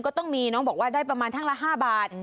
คนมีจีนกำไรแบบประมาณ๕บาท